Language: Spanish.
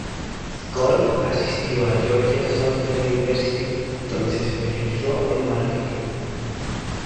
Cole asistió a Georgia Southern University, donde se especializó en marketing.